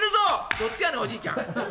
「どっちやねんおじいちゃん。